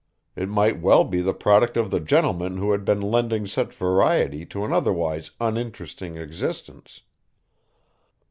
It might well be the product of the gentlemen who had been lending such variety to an otherwise uninteresting existence.